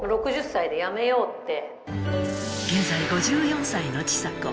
現在５４歳のちさ子